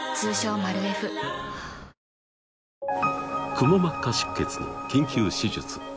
くも膜下出血の緊急手術